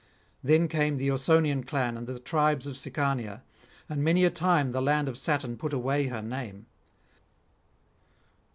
Then came the Ausonian clan and the tribes of Sicania, and many a time the land of Saturn put away her name.